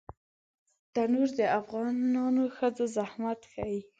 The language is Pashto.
تنور د افغانو ښځو زحمت ښيي